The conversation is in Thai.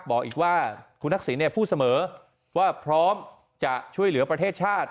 บอกอีกว่าคุณทักษิณพูดเสมอว่าพร้อมจะช่วยเหลือประเทศชาติ